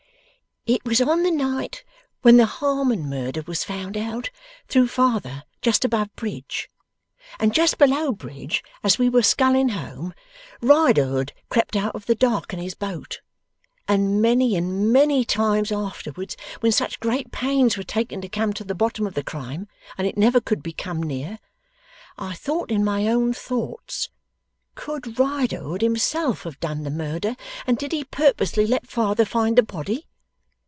'It was on the night when the Harmon murder was found out, through father, just above bridge. And just below bridge, as we were sculling home, Riderhood crept out of the dark in his boat. And many and many times afterwards, when such great pains were taken to come to the bottom of the crime, and it never could be come near, I thought in my own thoughts, could Riderhood himself have done the murder, and did he purposely let father find the body?